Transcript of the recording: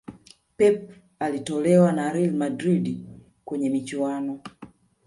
Pep alitolewa na Real Madrid kwenye michuano